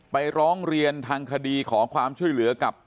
ร้องเรียนทางคดีขอความช่วยเหลือกับ